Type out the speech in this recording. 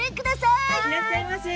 いらっしゃいませ。